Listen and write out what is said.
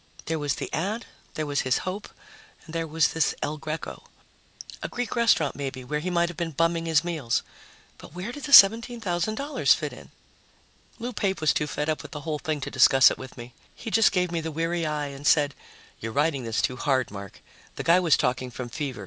There was the ad, there was his hope, and there was this El Greco. A Greek restaurant, maybe, where he might have been bumming his meals. But where did the $17,000 fit in? Lou Pape was too fed up with the whole thing to discuss it with me. He just gave me the weary eye and said, "You're riding this too hard, Mark. The guy was talking from fever.